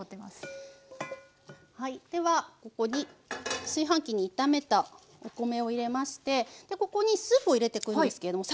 はいではここに炊飯器に炒めたお米を入れましてここにスープを入れてくんですけれども。